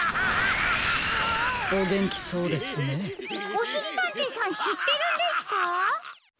おしりたんていさんしってるんですか？